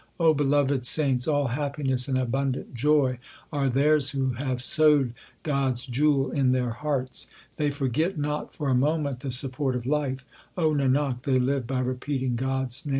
O beloved saints, all happiness and abundant joy are theirs who have sewed God s jewel in their hearts. They forget not for a moment the support of life ; O Nanak, they live by repeating God s name. turbans.